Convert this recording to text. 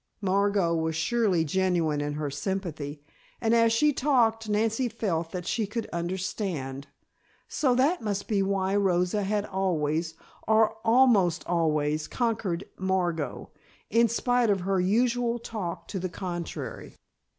Margot was surely genuine in her sympathy, and as she talked Nancy felt that she could understand. So that must be why Rosa had always, or almost always, conquered Margot, in spite of her usual talk to the contrary.